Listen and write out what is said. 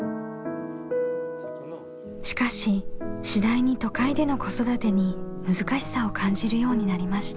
しかし次第に都会での子育てに難しさを感じるようになりました。